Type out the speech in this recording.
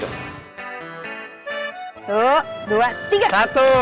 tuh dua tiga dua dua satu